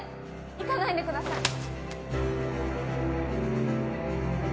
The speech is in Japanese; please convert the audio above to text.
行かないでください。